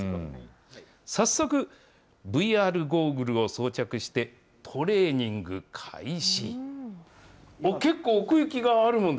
早速、ＶＲゴーグルを装着してトレーニング開始。